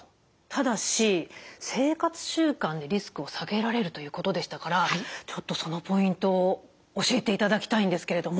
ただし生活習慣でリスクを下げられるということでしたからちょっとそのポイントを教えていただきたいんですけれども。